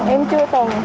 em chưa từng